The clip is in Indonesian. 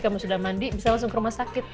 kamu sudah mandi bisa langsung ke rumah sakit